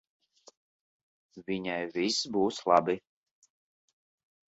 Viņai viss būs labi.